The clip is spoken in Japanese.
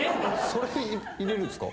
それを入れるんすか？